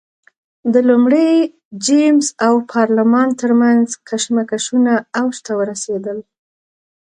د لومړي جېمز او پارلمان ترمنځ کشمکشونه اوج ته ورسېدل.